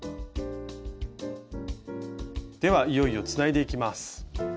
ではいよいよつないでいきます。